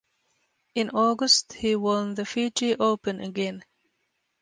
In August he won the Fiji Open again.